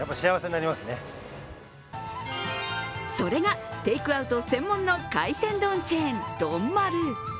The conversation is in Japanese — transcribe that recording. それがテイクアウト専門の海鮮丼チェーン、丼丸。